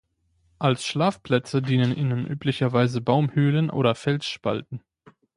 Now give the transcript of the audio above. Als Schlafplätze dienen ihnen üblicherweise Baumhöhlen oder Felsspalten.